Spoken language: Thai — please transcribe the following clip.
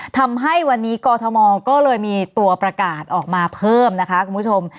ทำให้วันนี้กรทมก็เลยมีตัวประกาศออกมาเพิ่มนะคะคุณผู้ชม